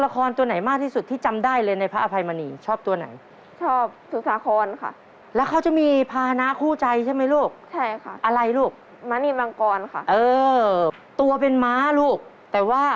พอเรียนไปแล้วนะลูกนะค่ะ